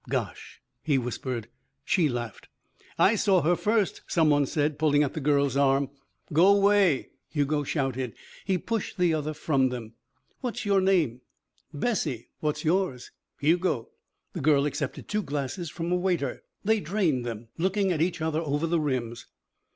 "Gosh," he whispered. She laughed. "I saw her first," some one said, pulling at the girl's arm. "Go 'way," Hugo shouted. He pushed the other from them. "What's your name?" "Bessie. What's yours?" "Hugo." The girl accepted two glasses from a waiter. They drained them, looking at each other over the rims.